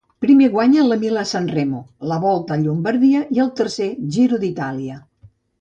Primer guanya la Milà-Sanremo, la Volta a Llombardia i el tercer Giro d'Itàlia.